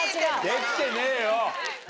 できてねえよ。